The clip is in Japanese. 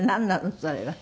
それは。